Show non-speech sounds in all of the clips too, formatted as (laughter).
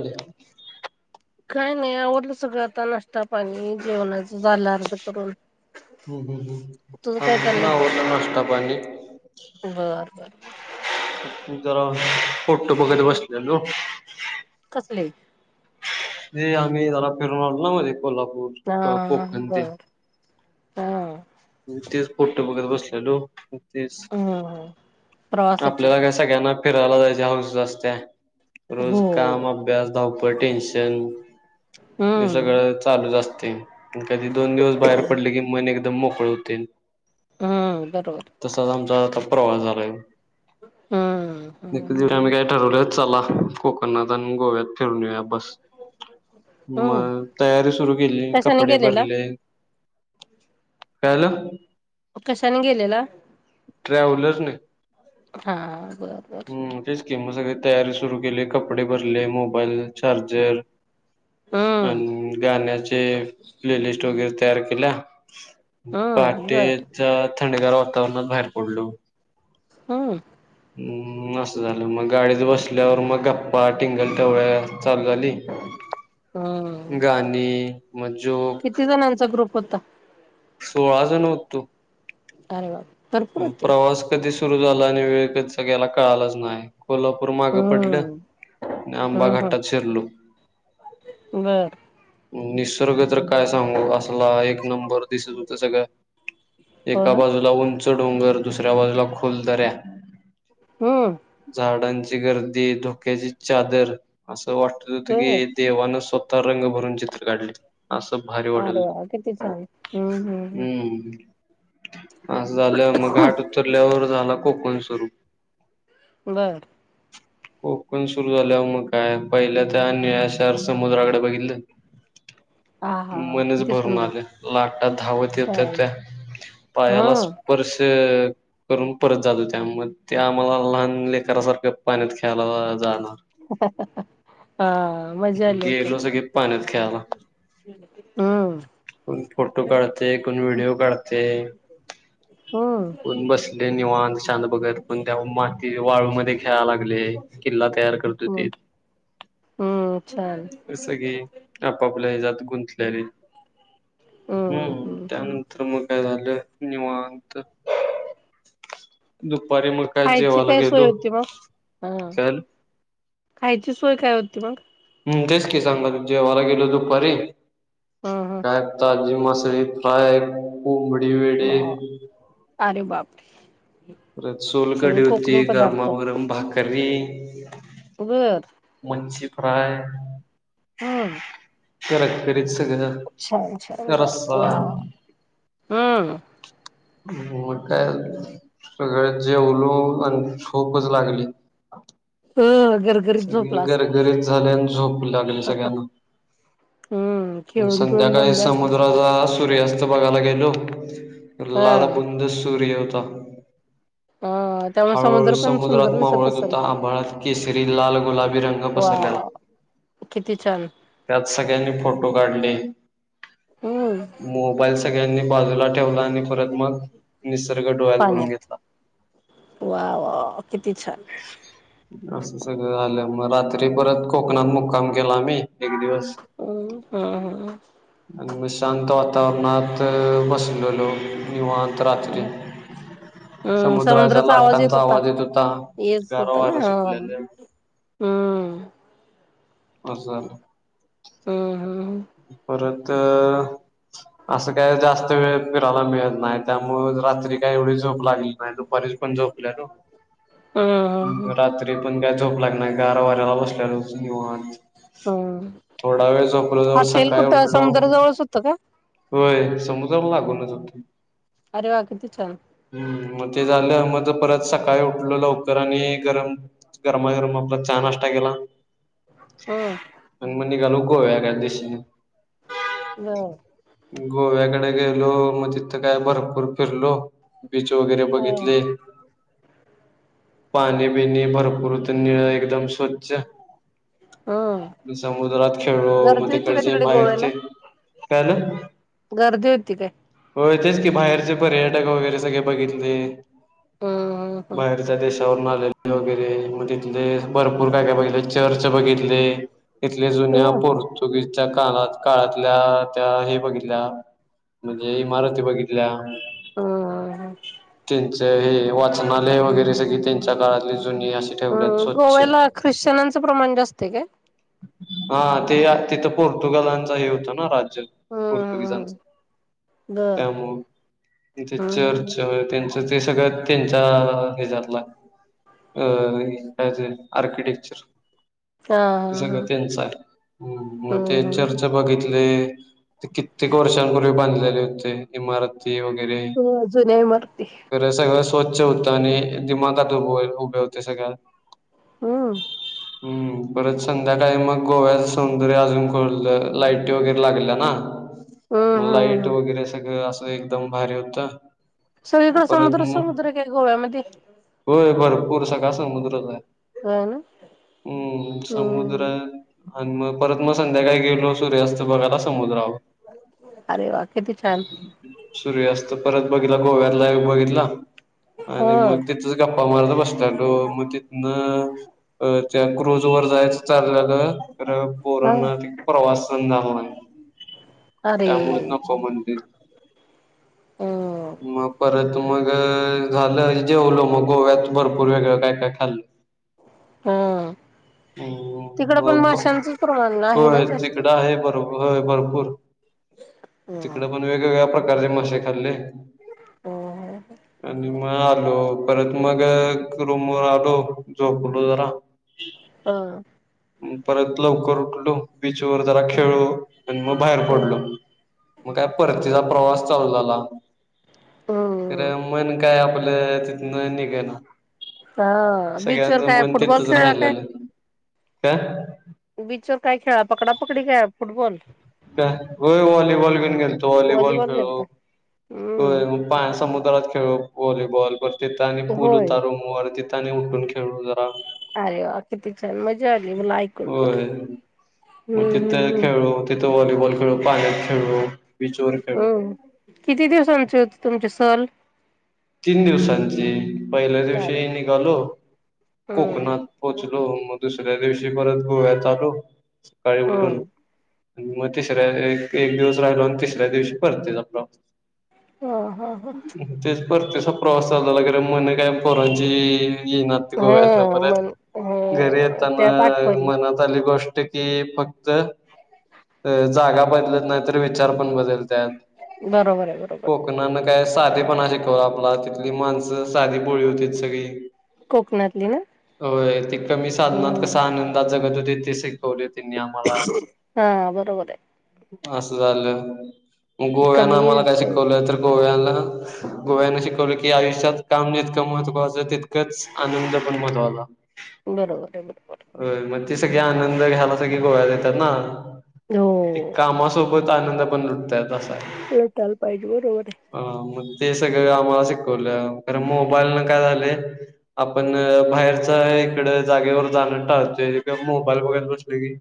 ले काय नाही आवडलं सगळं आता नाष्ट्ता पाणी जेवणाच झालं अर्ध करून हम्म हम्म तुझं काय चाललंय हम्म अ नष्ट पाली बर बर जरा फोटो बघैर बसलेो कसले ते आम्ही जला फिरून आलो ना म्हजे कोल्हापूर हा कोकण ते बर हा तेच पोट बघत बसलेलो ते हम् प्रवासाची आपल्याला काय सगळ्यांना फिरायला जायचे हऊस असते हो रोज काम अभ्यास धावपळ टेन्शन ते हम्म सगळं चालू असत कधी दोन दिवस बाहेर पडले की मन एकदम मोकळे होते हम्म बरोबर तसाच आमचा आता प्रवास झालाय हम्म हम्म दिव हम्म आम्ही काय ठरवले चला कोकणात आणि गोव्यात फिरून बस हम्म मग तयारी सुरू केली कशाने कपडे गेलेला भरले कायलं कशाने गेलेला ट्रॅव्हलर्स नाही हा बरोबर हम्म तेच की मग सगळी तयारी सुरू केली कपडे भरले मोबाईल चार्जर अ हम्म गाण्याचे प्लेलिस्ट वगैरे तयार केल्या हम्म बर पहाटेच्या थंडेगार वातावरणात बाहेर पडलो हम्म मसं झालं मग गाडीत बसल्यावर मग गप्पा टिंगल टवळ्या चालू झाली हम्म गाणी मग जोक. कत्ता (unintelligible) पळाज नव होततो (unintelligible) मग होते प्रवास कधी सुरू झाला आणि वेळ कसा गेला ला कळालाच नाही. कोल्हापूर मागं पडलं हम्म आणि आंबा हम्म हम्म घाटात शिरलो. बर निसर्ग तर काय सांगू? असला एक नंबर दिसत होतं सगळं. हो एका ना बाजूला उंच डोंगर, दुसऱ्या बाजूला खोल दऱ्या. हम्म झाडांची गर्दी, धोक्याची चादर असं.. असं वाटत होत बर की देवानं स्वतः रंग भरून चित्र काढले. असं भारी वाटाय... अरे वा किती छान हम्म हम्म हम्म हं. असं झालं मग घाट उतरल्यावर झाला कोकण सुरू. बर कोकण सुरू झाल्यावर मग काय, पहिल्या त्या निळ्याशार समुद्राकडे बघितलं. आ हा मनच किती भरून सुंदर आले लाटा धावत येत छान होत्या. छान हा पायाला स्प... स्पर्श करून परत जात होत्या, म त्या मला लहान लेकरासारख्या पाण्यात खेळायला.. जाणार.. हा मजा आली गेलो असेल स की पाण्यात खेळायला. हम्म कोण फोटो काढते, कोण व्हिडिओ काढते, हं कोण बसले निवाण शांत बघत, कोण त्या माती वाळूमध्ये खेळाय लागले किल्ला तयार.. हम्म हम्म छान जस की आपापल्या गुंतल्याने, हम्म हं हम्म हम्म त्यानंतर मग काय झालं निवांत.. दुख (unintelligible) दुपारी मग काय खायची जेवायला काय सोय गेलो. होती मग हा काय.. खायची सोय काय होती मग हं, तेच कि सांगा त जेवायला गेलो दुपारी हा हा काय.. मासळी फ्राय, कोंबडी वडे, वा अरे बापरे परत सोलकडी सगळे होती, कोकणी पदार्थ गरमागरम भाकरी बर मनची फ्राय हं कर (unintelligible) न छान छान रस्सा. वा हम्म हो काय?. सगळं जेवलो आणि झोपच लागली. अ गरगरीत सगळी झोपला असणार गरगरीत झालंय आणि झोप लागली सगळ्यांना. हम्म खेळून खेळून संध्याकाळी दमले असतील सग समुद्राचा सूर्यास्त.. बघायला गेलो हा लालबुंद सूर्य होता. हा त्यामुळे हळूहळू समुद्र पण समुद्रात सुंदर दिसत मावळ असेल होता, आभाळात केसरी, लाल, गुलाबी रंग पसरल्याला.. हो (unintelligible) त्यात सगळ्यांनी फोटो.. फोटो काढले, हम्म मोबाईल सगळ्यांनी बाजूला.. ठेवला आणि परत मग निसर्ग डोळ्यात भरून पाण्यात घेतला. वा! वा! किती छान. असं सगळं झालं, मग रात्री परत कोकणात मुक्काम केला आम्ही. एक दिवस हम्म हम्म आणि मग शांत.. वातावरणात बसलेलो निवांत रात्री... हम्म समु.. द्राच्या लाटांचा आवाज येत होता, गार वारे सुटलेले. हं असं झालं. हम परत असं काय जास्त वेळ फिरायला मिळत नाही त्या. मग रात्री काय एवढी झोप लागली नाही दुपारी पण झोपल्या ना. हम्म हम्म रात्री पण. झोप लागणार गारा वाऱ्याला बसल्या हम्म थोडा वेळ झो. जवळ हॉटेल सकाळी कुठं उठलो समुद्राजवळच होतं का होय समुद्रा वर. अरे वा किती छान मग ते झा (unintelligible) परत सकाळी उठल लवकर आणि गरम गरमागरम आपला चहा नाश्ता केला. हम्म अनं मग न निघालो गोव्याच्या दिशेने. होय. गोव्याकडे गेलो मग तिथं काय भरपूर फिरलो. बीच वगैरे हम्म बघितले. पाणी पिणी भरपूर निळं एकदम. स्वच्छ हम्म समुद्रात खेळलो म. गर्दी होती का ड तिकडे बाहेरचे गोव्याला कायलं गर्दी होती काय (unintelligible) हो तेच की बाहेरचे पर्यटक वगैरे सगळे बघितले. हम्म हम्म हम्म बाहेरच्या देशावर ना. वगैरे मग तिथले भरपूर काय काय बघितले चर्च बघितले. इथले हो जुन्या पोर्तुगीज. च्या काना काळातल्या त्या हे बघितल्या म्हणजे इमारती बघितल्या.. हम्म त्यांच हे वाचनालय वगैरे सगळी त्यांच्या काळातली. अशी ठेवतात हम्म स्वच्छ. गोव्याला ख्रिश्चनांचं प्रमाण जास्त आहे काय? हा ते तिथं पोर्तुगालांचा हे होता ना राज. हम्म पोर्तुगीजांचं. हम्म बर त्यामु तथे हम्म चर्च त्यांचं ते सगळ्यात. त्यांचा हे जातला अ काय आर्किटेक्चर हा हे हा हा सगळं त्यांच आहे मग हम्म ते हम्म चर्च बघितले. ते कित्येक वर्षांपूर्वी बांधलेले होते इमारत वगैरे हो जुन्या इमारती सगळं. स्वच्छ होतं आणि दिमाखात उभं उभे होते सगळ्यात हम. हम्म परत. संध्याकाळी मग गोव्याचं सौंदर्य अजून खोललं लाईटी वगैरे लागल्या ना? हम्म मग हम्म लाईट हम्म वगैरे सगळं असं एकदम भारी होतं. मग सगळीकडे परत समुद्र म समुद्र काय गोव्यामध्ये होय बरं पुर सगळं समुद्रचा आहे हो ना हम् समुद्र हम्म आणि मग परत मग संध्याकाळी गेलो. सुर्यास्त बघायला समुद वर अरे वा किती छान सूर्यास्त परत बघित गोव्यात बघितलं हो आणि मग तिथं बसत मग तिथं नं त्या क्रुज वर जायचं चाललेलं तर हा पोरांना प्रवास सहन झाला नाही अरे त्यामुळे नको म्हणते हम्म मग परत मग झालं जेवलो मग गोव्यात भरपूर वेगळं काय काय खाल्लं हम ह म प्रमाण हो आहे ना जास्त तिकडं आहे भर होय भरपूर हम्म तिकडं पण वेगवेगळ्या प्रकार प्रकारचे मासे खाल्ले हम्म आणि मग आलो परत मग रूम वर आलो झोपलो जरा हा परत लवकर उठलो. बीच वर जरा खेळू आणि मग बाहेर हम्म पडलो मग का परतीचा प्रवास झालाे हम्म मन काय आपलं नाही नाही काय ना हा बीच वर सगळ्यांचं काय मन फुटबॉल तथच खेळला राहिला काय? आलं का बीच ववर काय खेळा पकडा पकडी काय फुटबॉल हो व्हॉलीबॉल बण खेलतो व्हॉलीबॉल खेळ हो हम्म मग पाण समुद्रात खेळू व्हॉलीबॉल तिथं आणि पूल होय उतारोमवर तथ उून खेळू अरे वा किती छान मजा आली मला ऐकून तर हम्् खेळू तिथं वॉलीबल खेळू पायट खेळू हम् किती दिवसांचे होते तुमचे सल तीन दिवसांची पहिल्या दिवशी निघालो हम्म कोकणात पोहोचलो मधु दस्या दिवशी परत गोव्यात आलो सकाळी उठून हम्म आणि मग तिसऱ्या एक एक दिवस राहिलो आणि तिसऱ्या दिवशी परते ज आपला ह ह ह तेच पर त्याचा प्रवास चाललागेर मन काय पोरजी येना ते गोव्यात ना हा परत मन घरी ह येताना त्यात आठवणी मनात आली गोष्ट की फक्त जागा बदलत नाही तर विचार पण बदलत बरोबर आहे बरोबर कोक नानक काय साधे पणा शिकवला आपला तिथली माणस साधी पोळी होती सगळी कोकणातली ना होय ते कमी साधनात हम्म कसा आनंदात जगत होते ते सौले तनी आ म्हाला हा बरोबर आहे असं झालं मग गोव्यानं कमी आम्हाला काय सोय शिकवलंय तर गोव्याला गोव्यान शिकवलं की आयुष्यात काम जितकं महत्त्वाचं तितकंच आनंद पण महत्वाला बरोबर आहे बरोबर सग आनंद घ्यायला सग गोव्यात येतात ना ते हो कामासोबत ख आनंद पण तुटतय त आहे लोटायला पाहिजे बरोबर अ म ते सगळं आम्हाला शिकवलं कारण मोबाईल न काय झाले आपण बाहेरच इकडे जागेवर जाणं टाळते मोबाईल बघायला बसले की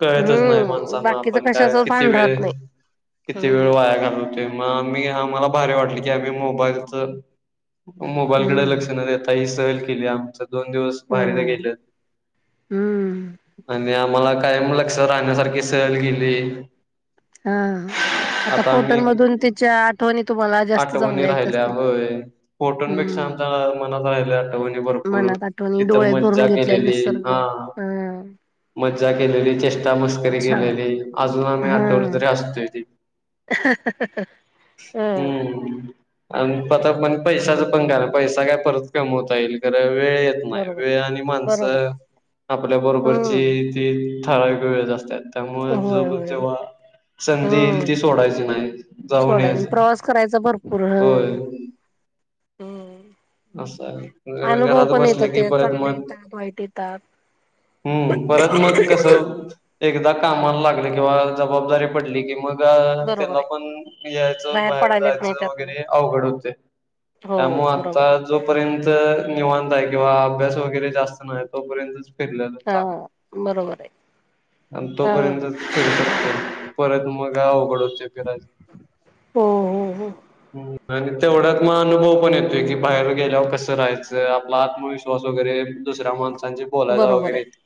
कळतच नाही हम्म माणसांना बाकीच आपण काय कशाच किती भान वेळ राहत नाही किती वेळ हम्म वाया घालवते मग आम्ही आम्हाला भारी वाटले की आम्ही मोबाईलच मोबाईलकडे हम्म लक्ष नाही देता ही सहल केली आमच. दोन दिवस हो बाहेरनं गेलं हम्म (inaudible) आणि आम्हाला काय लक्ष राहण्यासारखे सहल गेले हा आता फोटनमधून त्याच्या आठवणी तुम्हाला जास्त आठवणी चांगल्या येत राहिल्या असतील हो फोटोपेक्षा हम्म आमच्या मनात राहिल्या आठवणी भरपूर मनात आठवणी थ डोळ्यात भरून मजा घेतलेला केलेली निसर्ग हा हा मज्जा केलेली चेष्टा मस्करी छान केेलेली अजून आम्ही हा आठवल तरी असतोय त हम्म (unintelligible) आणि आता म्हण पैशाचा पणकार पैसा काय परत कमवता येईल खरं वेळ येत नाही बरोबर वेळ आणि बरोबर माणसं आहे आपल्या बरोबरची हम्म ती सारा एक वेळेत असतात त्यामुळे ज होय होय हो जेव्हा संधी येईल हम्म ती सोडायची नाही जाऊन सोडाय यायची प्रवास (inaudible) असं (inaudible) आहे अनुभव घरात पण बसलं येतात की ते परत चांगले मग येतात वाईट येतात. हम्म परत मग कस एकदा कामाला लागले किंवा जबाबदारी पडली कि मग बरोबर त्याला आहे पण यायचं बाहेर पडायलाच नाही जायचं त्यातन वगैरे अवघड होते. हो त्यामुळे बरोबर आता जोपर्यंत निवांत आहे किंवा अभ्यास वगैरे जास्त नाही तोपर्यंतच फिरल्याल आहे हा चांगल बरोबर आहे आणि हा तोपर्यंतच फिरू शकतो परत मग अवघड होते फिरायच. हो हो हो आणि तेवढाच म अनुभव पण येतोय की बाहेर गेल्यावर कसं राहायचं आपला आत्मविश्वास वगैरे दुसऱ्या माण सांशी बोलायला बरोबर वगैरे आहे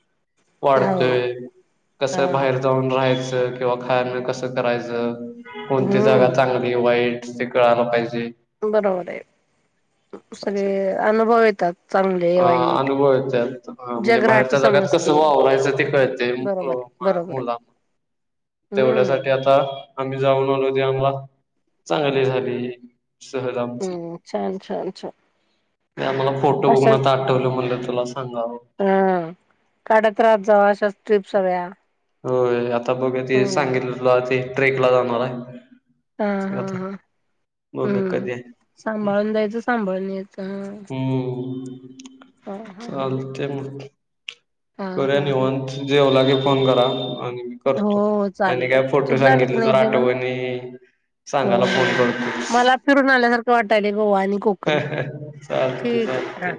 वाढतोय हो हा कसं बाहेर जाऊन राहायचं किंवा खायण कस करायचं कोणती जागा हम्म चांगली वाईट ते कळायला पाहिजे बरोबर आहे. सगळे (inaudible) अनुभव येतात चांगले (inaudible) अ वाईट अनुभव येत्यात म्हणजे जग राहटी बाहेरच्या जगात कस समजते वा वरायचं ते कळते अ बरोबर आहे आ बरोबर मुला आहे तेवढ्यासाठी हम्म आता आम्ही जाऊन आलो तेव्हा चांगली झाली शहराची हम्म (unintelligible) ते आम्हाला फोटो बघून आता अशाच आठवलं म्हटलं चला सांगावं. हा काढत राहत जाऊ अशाच ट्रीप सगळ्या. होय आता बघ ते हम्म सांगितलं तुला ते ट्रेक ला जाणार आहे. हा हा आता हा. बघ हम्म कधी आहे सांभाळून जायचं सांभाळून यायचं ह. हम्म (inaudible) चालते मग. हा (inaudible) करूया हा हा हा निवांत जेवला की फोन करा आणि मी करतो हो चालेल आणि काय चालेल तू फोटो झालं की सांगितलं नाही तर जेवण आठवणी हो सांगायला हो फोन मला (unintelligible) फिरून आल्यासारखं वाटायले गोवा आणि कोकण चालतंय ठीक आहे (inaudible) चालतंय. हा.